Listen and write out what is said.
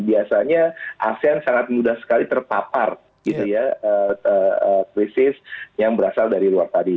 biasanya asean sangat mudah sekali terpapar gitu ya krisis yang berasal dari luar tadi